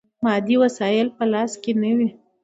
مادي وسایل په لاس کې نه وي.